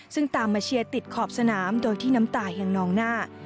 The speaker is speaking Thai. ซึ่งตามมาเชียร์ติดขอบสนามโดยที่น้ำตายังนองหน้า